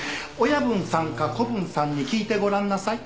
親分さんか子分さんに聞いてごらんなさい。